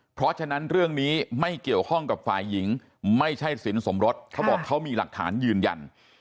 เพราะฉะนั้นเรื่องนี้ไม่เกี่ยวข้องกับฝ่ายหญิงไม่ใช่สินสมรสเขาบอกเขามีหลักฐานยืนยัน